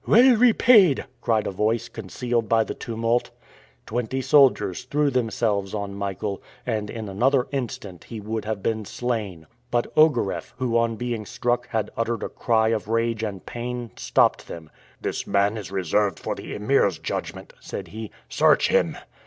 "Well repaid!" cried a voice concealed by the tumult. Twenty soldiers threw themselves on Michael, and in another instant he would have been slain. But Ogareff, who on being struck had uttered a cry of rage and pain, stopped them. "This man is reserved for the Emir's judgment," said he. "Search him!"